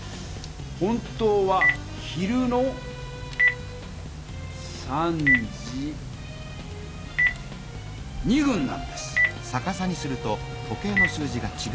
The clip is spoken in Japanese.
本当は昼の１５時２分なんです。